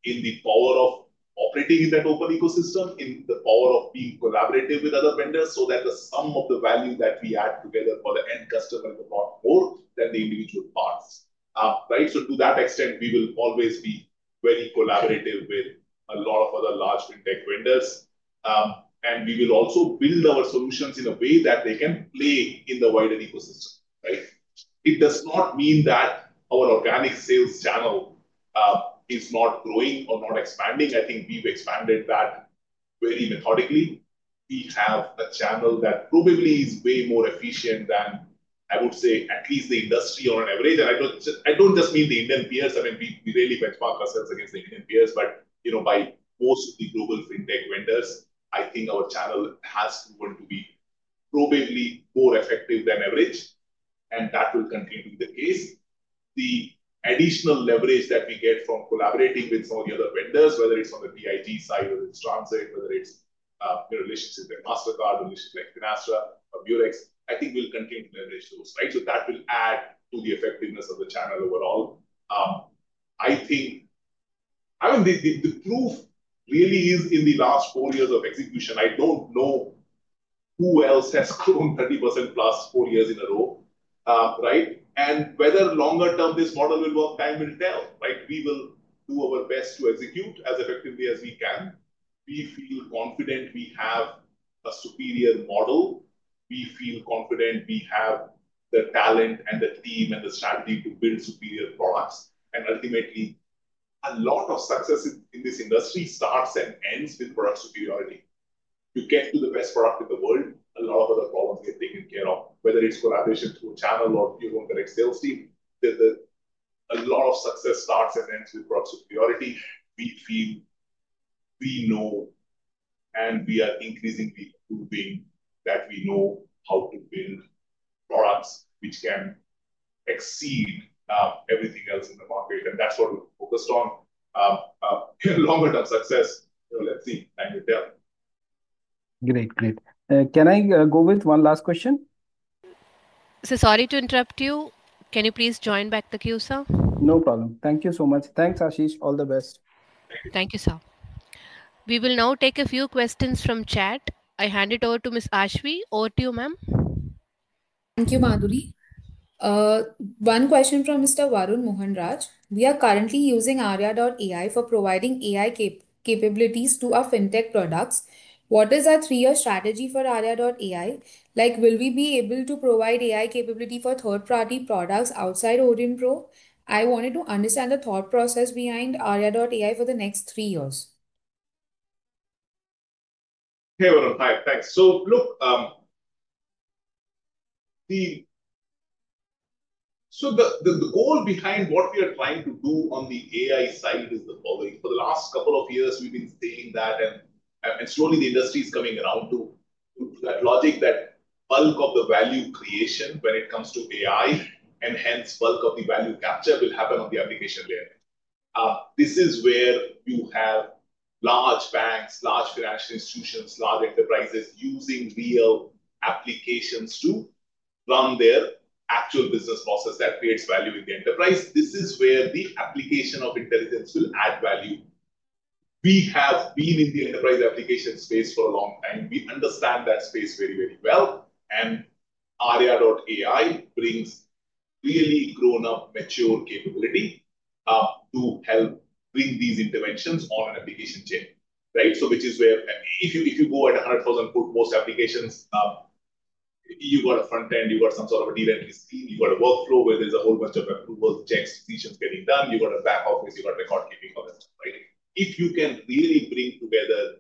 in the power of operating in that open ecosystem, in the power of being collaborative with other vendors so that the sum of the value that we add together for the end customer is a lot more than the individual parts, right? To that extent, we will always be very collaborative with a lot of other large Fintech vendors. We will also build our solutions in a way that they can play in the wider ecosystem, right? It does not mean that our organic sales channel is not growing or not expanding. I think we've expanded that very methodically. We have a channel that probably is way more efficient than, I would say, at least the industry on average. I do not just mean the Indian peers. I mean, we really benchmark ourselves against the Indian peers. By most of the global Fintech vendors, I think our channel has proven to be probably more effective than average. That will continue to be the case. The additional leverage that we get from collaborating with some of the other vendors, whether it's on the TIG side, whether it's Transit, whether it's relationships like Mastercard, relationships like Finastra or Murex, I think we'll continue to leverage those, right? That will add to the effectiveness of the channel overall. I think, I mean, the proof really is in the last four years of execution. I don't know who else has grown 30% plus four years in a row, right? Whether longer term this model will work, time will tell, right? We will do our best to execute as effectively as we can. We feel confident we have a superior model. We feel confident we have the talent and the team and the strategy to build superior products. Ultimately, a lot of success in this industry starts and ends with product superiority. To get to the best product in the world, a lot of other problems get taken care of, whether it is collaboration through channel or your own direct sales team. A lot of success starts and ends with product superiority. We know and we are increasingly proving that we know how to build products which can exceed everything else in the market. That is what we are focused on. Longer term success, let us see. Time will tell. Great. Great. Can I go with one last question? Sir, sorry to interrupt you. Can you please join back the queue, sir? No problem. Thank you so much. Thanks, Ashish. All the best. Thank you, sir. We will now take a few questions from chat. I hand it over to Ms. Ashwi. Over to you, ma'am. Thank you, Madhuri. One question from Mr. Varun Mohanraj. We are currently using Arya.ai for providing AI capabilities to our Fintech products. What is our three-year strategy for Arya.ai? Will we be able to provide AI capability for third-party products outside Aurionpro? I wanted to understand the thought process behind Arya.ai for the next three years. Hey, Varun. Hi. Thanks. Look, the goal behind what we are trying to do on the AI side is the following. For the last couple of years, we've been saying that, and slowly, the industry is coming around to that logic, that bulk of the value creation when it comes to AI, and hence bulk of the value capture, will happen on the application layer. This is where you have large banks, large financial institutions, large enterprises using real applications to run their actual business process that creates value in the enterprise. This is where the application of intelligence will add value. We have been in the enterprise application space for a long time. We understand that space very, very well. And Arya.ai brings really grown-up, mature capability to help bring these interventions on an application chain, right? Which is where if you go at 100,000-foot post applications, you've got a front end, you've got some sort of a deal entry scheme, you've got a workflow where there's a whole bunch of approvals, checks, decisions getting done, you've got a back office, you've got record-keeping on the side, right? If you can really bring together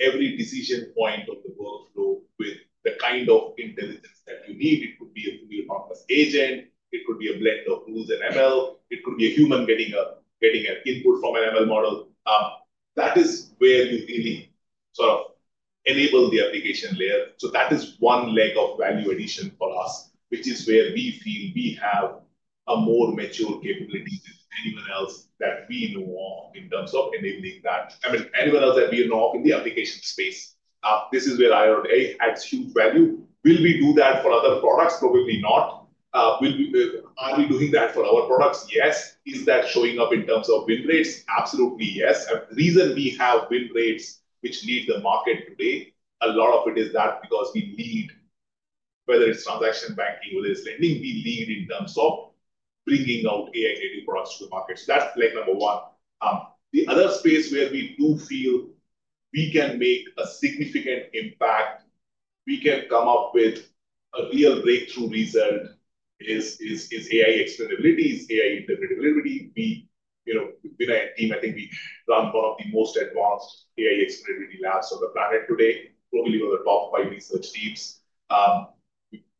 every decision point of the workflow with the kind of intelligence that you need, it could be a full-on agent, it could be a blend of rules and ML, it could be a human getting an input from an ML model. That is where we really sort of enable the application layer. That is one leg of value addition for us, which is where we feel we have a more mature capability than anyone else that we know of in terms of enabling that. I mean, anyone else that we know of in the application space, this is where Arya.ai adds huge value. Will we do that for other products? Probably not. Are we doing that for our products? Yes. Is that showing up in terms of win rates? Absolutely, yes. The reason we have win rates which lead the market today, a lot of it is that because we lead, whether it's transaction banking or this lending, we lead in terms of bringing out AI-related products to the market. That is leg number one. The other space where we do feel we can make a significant impact, we can come up with a real breakthrough result is AI explainability, is AI interpretability. With my team, I think we run one of the most advanced AI explainability labs on the planet today. Probably one of the top five research teams.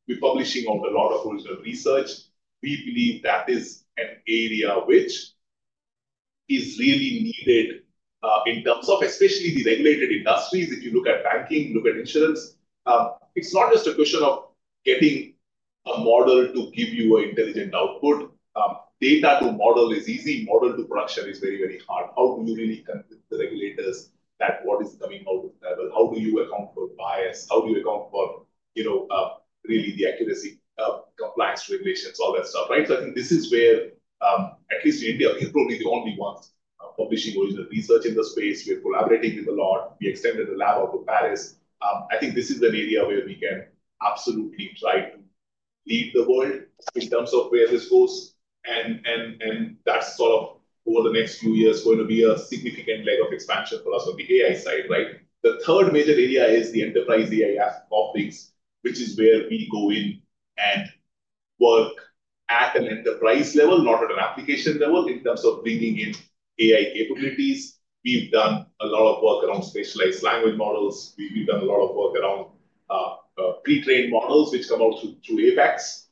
We're publishing out a lot of original research. We believe that is an area which is really needed in terms of especially the regulated industries. If you look at banking, look at insurance, it's not just a question of getting a model to give you an intelligent output. Data to model is easy. Model to production is very, very hard. How do you really convince the regulators that what is coming out of that? How do you account for bias? How do you account for really the accuracy, compliance regulations, all that stuff, right? I think this is where at least in India, we're probably the only ones publishing original research in the space. We're collaborating with a lot. We extended the lab out to Paris. I think this is an area where we can absolutely try to lead the world in terms of where this goes. That is sort of over the next few years going to be a significant leg of expansion for us on the AI side, right? The third major area is the enterprise AI app topics, which is where we go in and work at an enterprise level, not at an application level in terms of bringing in AI capabilities. We have done a lot of work around specialized language models. We have done a lot of work around pre-trained models which come out through Apex,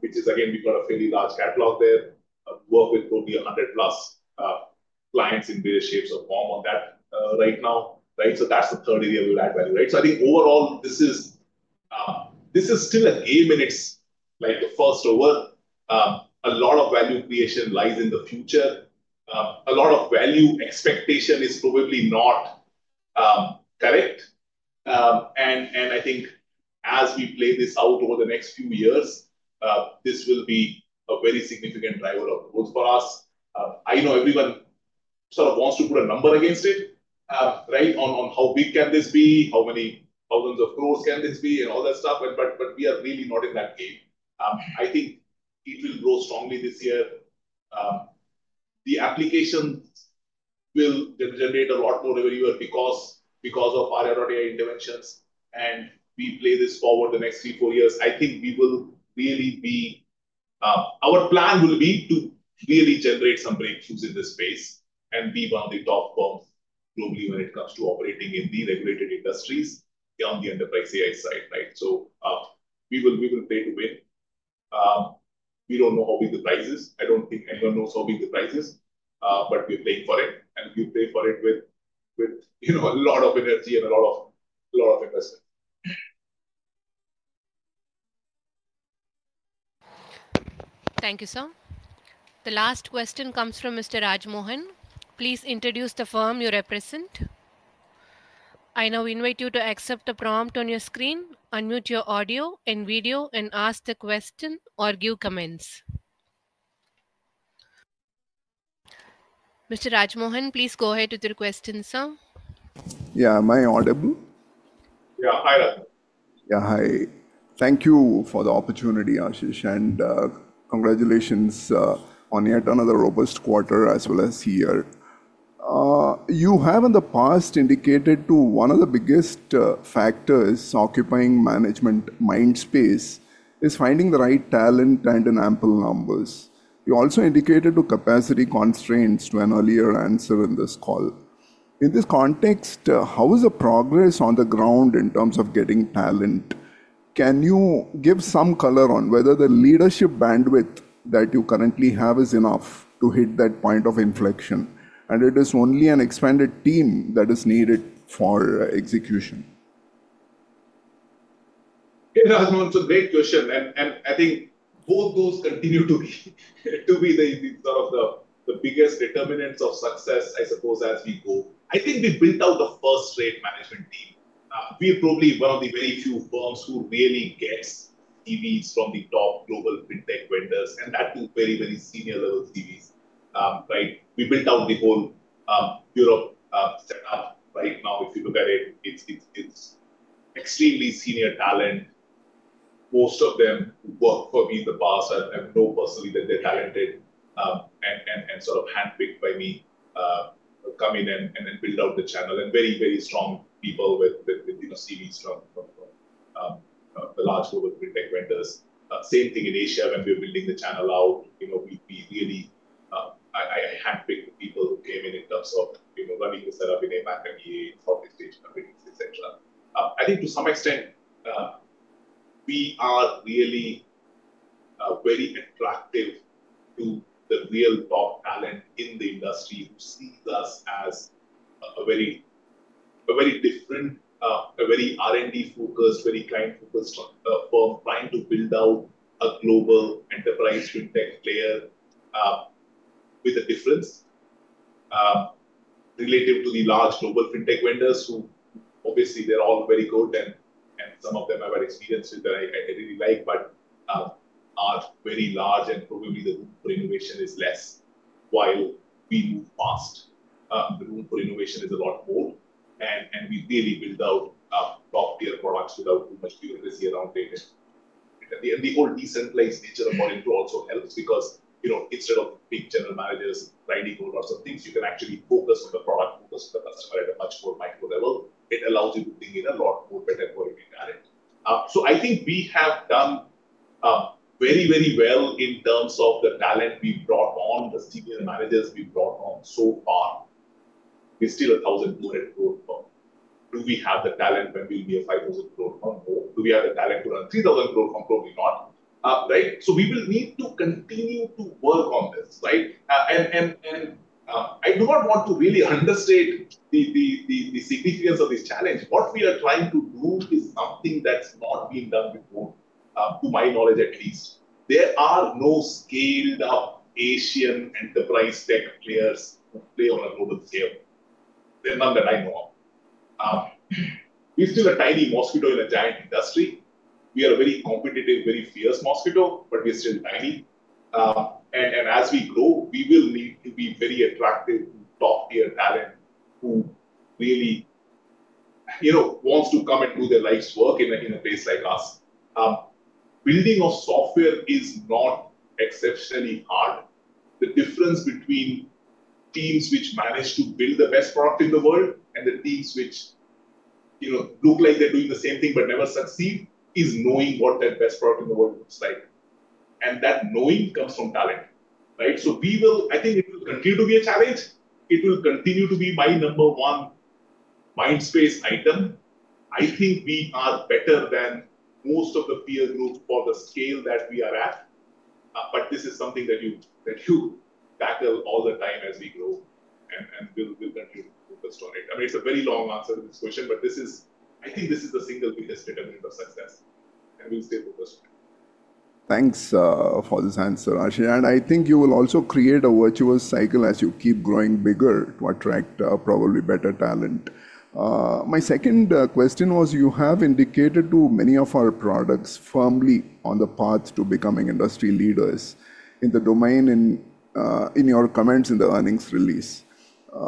which is again, we have got a fairly large catalog there. Work with probably 100+ clients in various shapes or form on that right now, right? That is the third area we will add value, right? I think overall, this is still a game in its first over. A lot of value creation lies in the future. A lot of value expectation is probably not correct. I think as we play this out over the next few years, this will be a very significant driver of growth for us. I know everyone sort of wants to put a number against it, right? On how big can this be, how many thousands of crores can this be, and all that stuff. We are really not in that game. I think it will grow strongly this year. The applications will generate a lot more everywhere because of Arya.ai interventions. We play this forward the next three, four years. I think our plan will be to really generate some breakthroughs in this space and be one of the top firms globally when it comes to operating in the regulated industries on the enterprise AI side, right? We will play to win. We do not know how big the prize is. I don't think anyone knows how big the prize is. We're playing for it. We'll play for it with a lot of energy and a lot of investment. Thank you, sir. The last question comes from Mr. Rajmohan. Please introduce the firm you represent. I now invite you to accept the prompt on your screen, unmute your audio and video, and ask the question or give comments. Mr. Rajmohan, please go ahead with your question, sir. Yeah, am I audible? Yeah, hi, Rajmohan. Yeah, hi. Thank you for the opportunity, Ashish. Congratulations on yet another robust quarter as well as year. You have in the past indicated one of the biggest factors occupying management mind space is finding the right talent and in ample numbers. You also indicated capacity constraints to an earlier answer in this call. In this context, how is the progress on the ground in terms of getting talent? Can you give some color on whether the leadership bandwidth that you currently have is enough to hit that point of inflection? It is only an expanded team that is needed for execution. Hey, Rajmohan, it's a great question. I think both those continue to be sort of the biggest determinants of success, I suppose, as we go. I think we've built out the first-rate management team. We're probably one of the very few firms who really gets CVs from the top global Fintech vendors, and that too very, very senior-level CVs, right? We built out the whole Europe setup. Right now, if you look at it, it's extremely senior talent. Most of them worked for me in the past. I know personally that they're talented and sort of handpicked by me, come in and build out the channel. Very, very strong people with CVs from the large global Fintech vendors. Same thing in Asia when we're building the channel out. We really handpicked the people who came in in terms of running the setup in APAC, MBA, Southeast Asian companies, etc. I think to some extent, we are really very attractive to the real top talent in the industry who sees us as a very different, a very R&D-focused, very client-focused firm trying to build out a global enterprise Fintech player with a difference relative to the large global Fintech vendors who obviously, they are all very good. Some of them have had experiences that I really like, but are very large. Probably the room for innovation is less while we move fast. The room for innovation is a lot more. We really build out top-tier products without too much bureaucracy around it. The old, decent, place-nature of Aurionpro also helps because instead of big general managers writing all sorts of things, you can actually focus on the product, focus on the customer at a much more micro level. It allows you to bring in a lot more better quality talent. I think we have done very, very well in terms of the talent we brought on, the senior managers we brought on so far. We are still an INR 1,200-crore firm. Do we have the talent when we will be an 5,000-crore firm? Do we have the talent to run an 3,000-crore firm? Probably not, right? We will need to continue to work on this, right? I do not want to really understate the significance of this challenge. What we are trying to do is something that has not been done before, to my knowledge at least. There are no scaled-up Asian enterprise tech players who play on a global scale. There are none that I know of. We're still a tiny mosquito in a giant industry. We are a very competitive, very fierce mosquito, but we're still tiny. As we grow, we will need to be very attractive to top-tier talent who really wants to come and do their life's work in a place like us. Building of software is not exceptionally hard. The difference between teams which manage to build the best product in the world and the teams which look like they're doing the same thing but never succeed is knowing what that best product in the world looks like. That knowing comes from talent, right? I think it will continue to be a challenge. It will continue to be my number one mind space item. I think we are better than most of the peer group for the scale that we are at. This is something that you tackle all the time as we grow and will continue to focus on it. I mean, it's a very long answer to this question, but I think this is the single biggest determinant of success. We will stay focused on it. Thanks for this answer, Ashish. I think you will also create a virtuous cycle as you keep growing bigger to attract probably better talent. My second question was, you have indicated too many of our products firmly on the path to becoming industry leaders in the domain in your comments in the earnings release.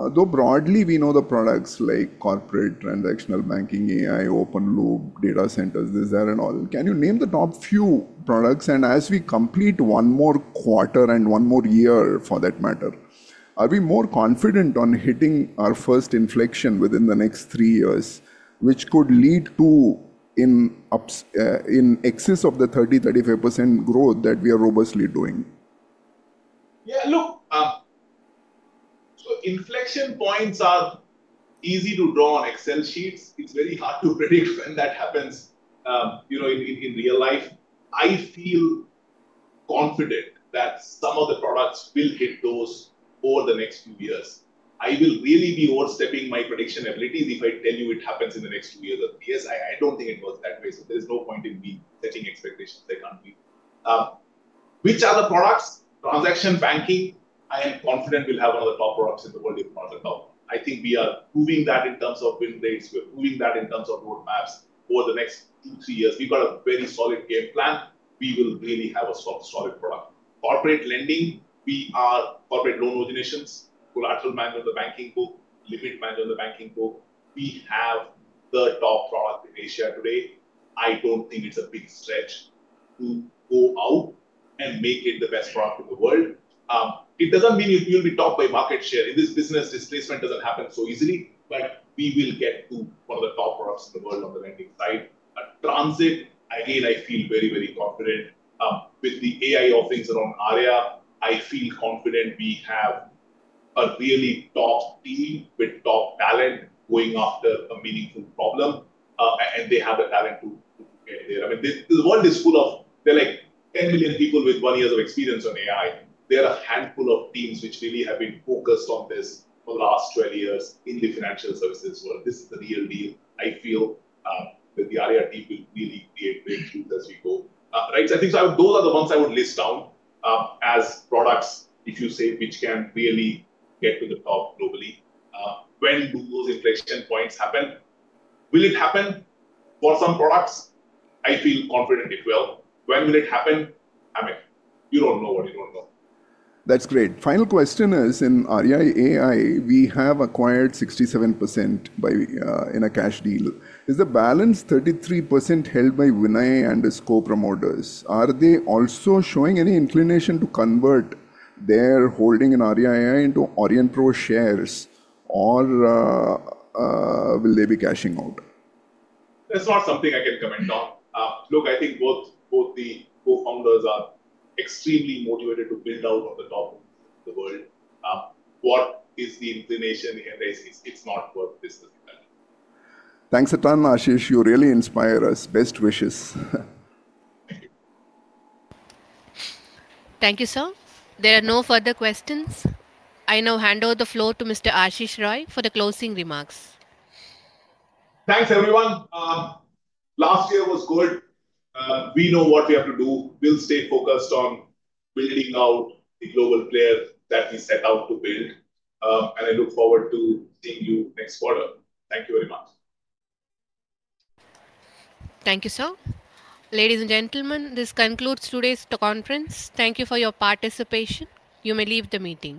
Though broadly, we know the products like corporate transaction banking, AI, open-loop, data centers, these are in all. Can you name the top few products? As we complete one more quarter and one more year for that matter, are we more confident on hitting our first inflection within the next three years, which could lead to an excess of the 30%-35% growth that we are robustly doing? Yeah, look, inflection points are easy to draw on Excel sheets. It's very hard to predict when that happens in real life. I feel confident that some of the products will hit those over the next few years. I will really be overstepping my prediction abilities if I tell you it happens in the next two years or three years. I don't think it works that way. There is no point in me setting expectations that can't be. Which other products? Transaction banking, I am confident we'll have one of the top products in the world. I think we are proving that in terms of win rates. We are proving that in terms of roadmaps over the next two, three years. We've got a very solid game plan. We will really have a solid product. Corporate lending, we are corporate loan originations, collateral management of the banking book, limit management of the banking book. We have the top product in Asia today. I do not think it is a big stretch to go out and make it the best product in the world. It does not mean we will be top by market share. In this business, displacement does not happen so easily. We will get to one of the top products in the world on the lending side. Transit, again, I feel very, very confident. With the AI offerings around Arya, I feel confident we have a really top team with top talent going after a meaningful problem. They have the talent to get there. I mean, the world is full of, there are like 10 million people with one year of experience on AI. There are a handful of teams which really have been focused on this for the last 12 years in the financial services world. This is the real deal. I feel that the Arya team will really create breakthroughs as we go, right? I think those are the ones I would list down as products, if you say, which can really get to the top globally. When do those inflection points happen? Will it happen for some products? I feel confident it will. When will it happen? I mean, you do not know what you do not know. That's great. Final question is, in Arya.ai, we have acquired 67% in a cash deal. Is the balance 33% held by Vinay and his co-promoters? Are they also showing any inclination to convert their holding in Arya.ai into Aurionpro shares, or will they be cashing out? That's not something I can comment on. Look, I think both the co-founders are extremely motivated to build out on the top of the world. What is the inclination here? It's not worth this as a challenge. Thanks a ton, Ashish. You really inspire us. Best wishes. Thank you. Thank you, sir. There are no further questions. I now hand over the floor to Mr. Ashish Rai for the closing remarks. Thanks, everyone. Last year was good. We know what we have to do. We'll stay focused on building out the global player that we set out to build. I look forward to seeing you next quarter. Thank you very much. Thank you, sir. Ladies and gentlemen, this concludes today's conference. Thank you for your participation. You may leave the meeting.